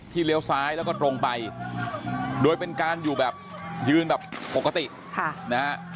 เลี้ยวซ้ายแล้วก็ตรงไปโดยเป็นการอยู่แบบยืนแบบปกตินะฮะ